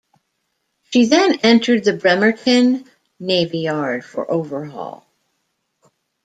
She then entered the Bremerton Navy Yard for overhaul.